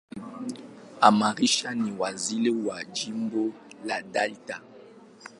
Amarachi ni mzaliwa wa Jimbo la Delta.